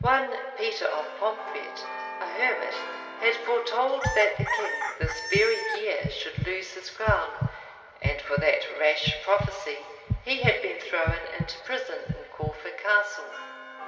One Peter of Pomfret, a hermit, had foretold that the king, this very year, should lose his crown; and for that rash prophecy, he had been thrown into prison in Corfe castle.